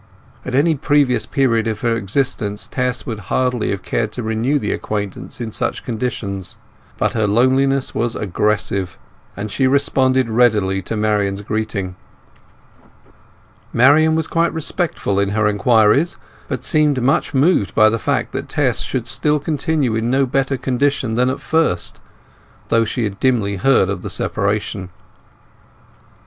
At any previous period of her existence Tess would hardly have cared to renew the acquaintance in such conditions; but her loneliness was excessive, and she responded readily to Marian's greeting. Marian was quite respectful in her inquiries, but seemed much moved by the fact that Tess should still continue in no better condition than at first; though she had dimly heard of the separation.